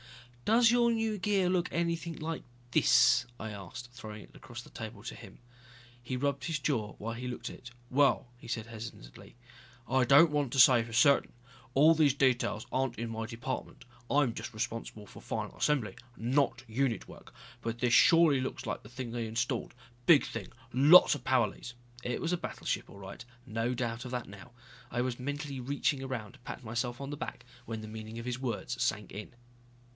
"Does your new gear look anything like this?" I asked, throwing it across the table to him. He rubbed his jaw while he looked at it. "Well," he said hesitatingly, "I don't want to say for certain. After all these details aren't in my department, I'm just responsible for final assembly, not unit work. But this surely looks like the thing they installed. Big thing. Lots of power leads " It was a battleship all right, no doubt of that now. I was mentally reaching around to pat myself on the back when the meaning of his words sank in.